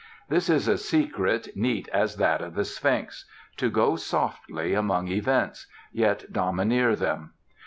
This is a secret neat as that of the Sphinx: to "go softly" among events, yet domineer them.